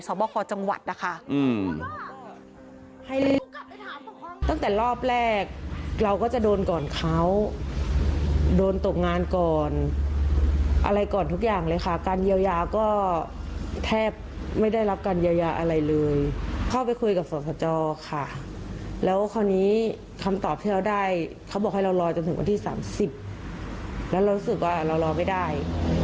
เขาบอกให้เรารอจนถึงวันที่๓๐แล้วเรารู้สึกว่าเรารอไม่ได้